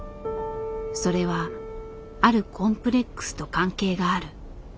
それはあるコンプレックスと関係がある。